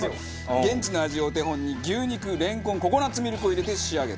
現地の味をお手本に牛肉レンコンココナッツミルクを入れて仕上げた。